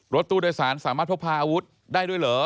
รถตู้โดยสารสามารถพกพาอาวุธได้ด้วยเหรอ